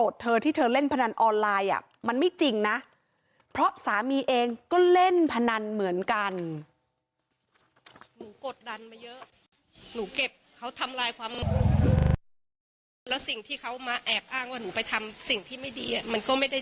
สิ่งที่ไม่ดีอ่ะมันก็ไม่ได้ใช่ร้อยเปอร์เซ็นต์ไอ้เรื่องไอ้พนันใช่ไหมพี่